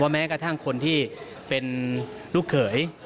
แม้กระทั่งคนที่เป็นลูกเขย